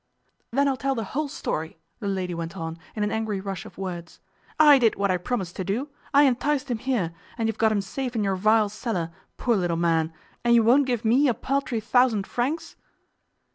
'Then I'll tell the whole story,' the lady went on, in an angry rush of words. 'I did what I promised to do. I enticed him here, and you've got him safe in your vile cellar, poor little man, and you won't give me a paltry thousand francs.